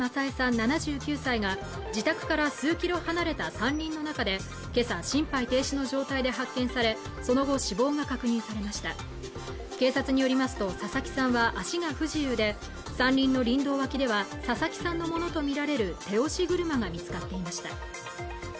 ７９歳が自宅から数キロ離れた山林の中でけさ心肺停止の状態で発見されその後死亡が確認されました警察によりますと佐々木さんは足が不自由で山林の林道脇では佐々木さんのものと見られる手押し車が見つかっていました